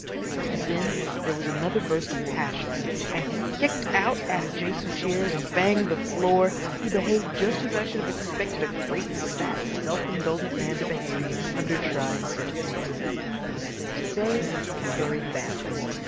And then there was another burst of passion, and he kicked out at adjacent chairs and banged the floor. He behaved just as I should have expected a great, fat, self indulgent man to behave under trying circumstances—that is to say, very badly.